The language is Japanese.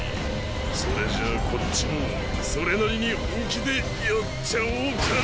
それじゃこっちもそれなりに本気でやっちゃおうかな！